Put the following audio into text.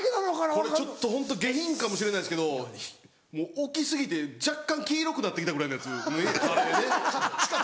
これちょっとホント下品かもしれないですけど置き過ぎて若干黄色くなって来たぐらいのやつにカレーね。